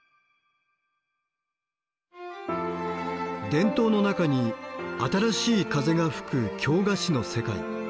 伝統の中に新しい風が吹く京菓子の世界。